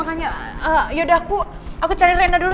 kayak gue gak kuat deh